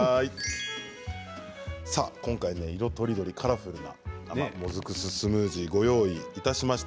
今回、色とりどり、カラフルな生もずくスムージーをご用意いたしました。